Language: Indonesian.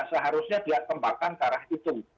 seharusnya dia tembakan cara itu